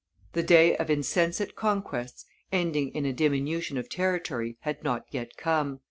The day of insensate conquests ending in a diminution of territory had not yet come.